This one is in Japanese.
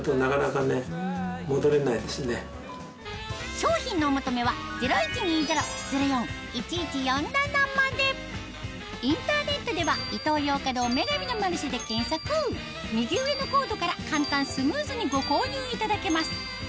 商品のお求めはインターネットでは右上のコードから簡単スムーズにご購入いただけます